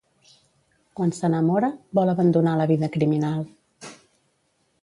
Quan s’enamora, vol abandonar la vida criminal.